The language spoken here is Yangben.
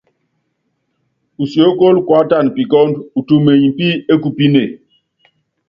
Usiókóló kuátana pikɔ́ndɔ́, utumenyi pí ékupíne.